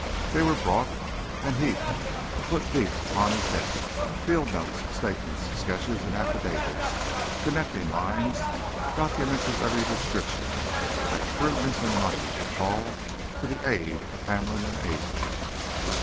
They were brought, and heaped, a foot deep, upon his desk—field notes, statements, sketches, affidavits, connecting lines—documents of every description that shrewdness and money could call to the aid of Hamlin and Avery.